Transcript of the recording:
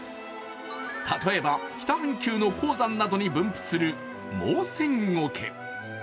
例えば、北半球の高山などに分布するモウセンゴケ。